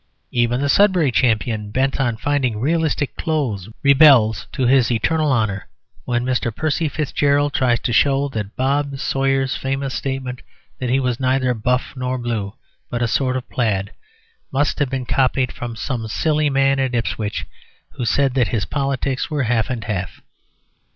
Even the Sudbury champion, bent on finding realistic clothes, rebels (to his eternal honour) when Mr. Percy Fitzgerald tries to show that Bob Sawyer's famous statement that he was neither Buff nor Blue, "but a sort of plaid," must have been copied from some silly man at Ipswich who said that his politics were "half and half."